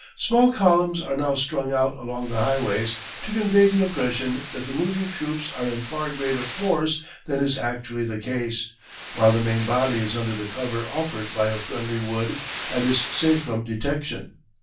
Small columns are now strung out along the highways to convey the impression that the moving troops are in far greater force than is actually the case, while the main body is under the cover offered by a friendly wood and is safe from detection.